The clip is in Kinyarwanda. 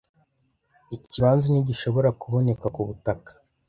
Ikibanza ntigishobora kuboneka kubutaka.